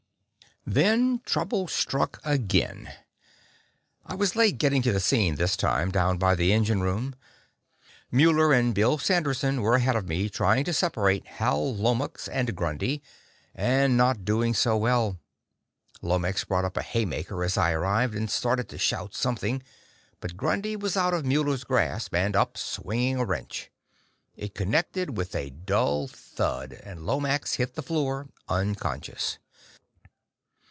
Then trouble struck again. I was late getting to the scene this time, down by the engine room. Muller and Bill Sanderson were ahead of me, trying to separate Hal Lomax and Grundy, and not doing so well. Lomax brought up a haymaker as I arrived, and started to shout something. But Grundy was out of Muller's grasp, and up, swinging a wrench. It connected with a dull thud, and Lomax hit the floor, unconscious.